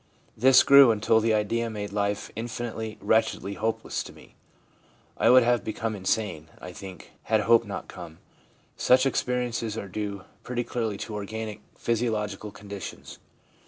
This grew until the idea made life infinitely, wretchedly hopeless to me. I would have become insane, I think, had hope not come/ Such experiences are due pretty clearly to organic physio ADOLESCENCE— STORM AND STRESS 217 logical conditions.